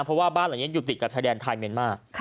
เพราะว่าบ้านเหล่านี้ยุบติดกับชายแดนไทยเมนมาก